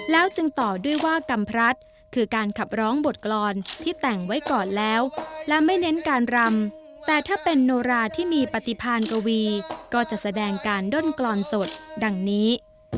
แล้วจึงต่อด้วยว่ากำพลัดคือการขับร้องบทกรรมที่แต่งไว้ก่อนแล้วและไม่เน้นการรำแต่ถ้าเป็นโนราที่มีปฏิพาณกวีก็จะแสดงการด้นกรอนสดดังนี้